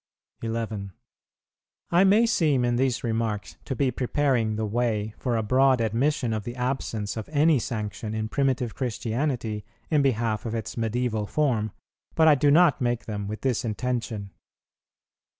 11. I may seem in these remarks to be preparing the way for a broad admission of the absence of any sanction in primitive Christianity in behalf of its medieval form, but I do not make them with this intention.